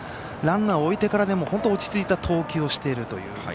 ランナーを置いてからでも落ち着いた投球をしている。